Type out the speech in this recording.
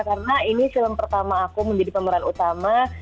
karena ini film pertama aku menjadi pemeran utama